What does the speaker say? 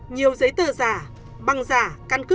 nhiều giấy tờ giả băng giả căn cứ cổng